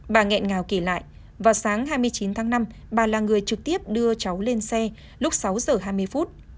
bà nghẹn ngào kể lại vào sáng hai mươi chín tháng năm bà là người trực tiếp đưa cháu lên xe lúc sáu giờ hai mươi phút